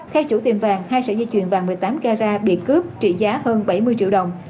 theo chủ tiệm vàng hai sợi dây chuyền vàng một mươi tám carat bị cướp trị giá hơn bảy mươi triệu đồng